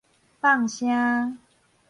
放聲